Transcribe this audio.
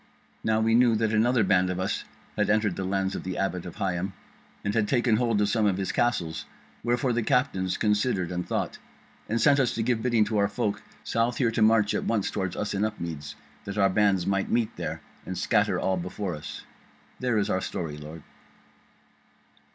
Now we knew that another band of us had entered the lands of the Abbot of Higham, and had taken hold of some of his castles; wherefore the captains considered and thought, and sent us to give bidding to our folk south here to march at once toward us in Upmeads, that our bands might meet there, and scatter all before us. There is our story, lord."